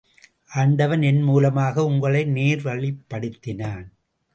ஆண்டவன் என் மூலமாக உங்களை நேர்வழிப்படுத்தினான்.